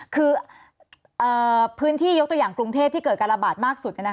คือพื้นที่ยกตัวอย่างกรุงเทพที่เกิดการระบาดมากสุด